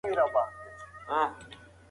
د ډوډۍ خوړلو مخکې لاسونه پاک کړئ.